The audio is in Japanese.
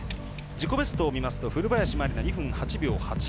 自己ベストを見ますと古林毬菜、２分８秒８９。